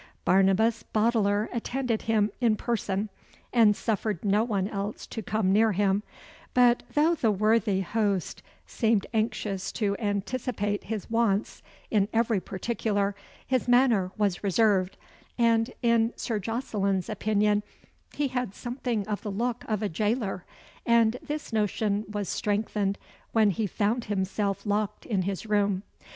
Barnabas Boteler attended him in person, and suffered no one else to come near him; but though the worthy host seemed anxious to anticipate his wants in every particular, his manner was reserved, and, in Sir Jocelyn's opinion, he had something of the look of a jailor, and this notion was strengthened when he found himself locked in his room.